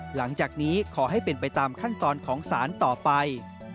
หลังจากนี้ขอให้เป็นไปตามขั้นตอนของศาลต่อไป